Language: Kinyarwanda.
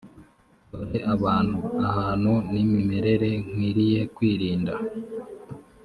dore abantu ahantu n imimerere nkwiriye kwirinda